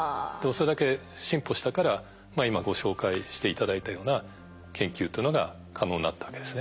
それだけ進歩したから今ご紹介して頂いたような研究というのが可能になったわけですね。